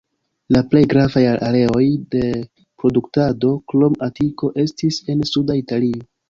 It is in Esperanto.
La plej gravaj areoj de produktado, krom Atiko, estis en Suda Italio.